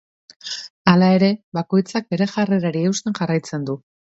Hala ere, bakoitzak bere jarrerari eusten jarraitzen du.